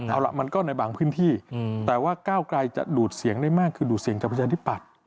เอาละมันก็ในบางพื้นที่แต่ว่าก้าวกลายจะดูดเสียงได้มากคือดูดเสียงกับผู้ชายที่ปัด